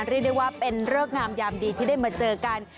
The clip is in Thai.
เรียกได้ว่าเป็นเริกงามยามดีที่ได้มาเจอกัน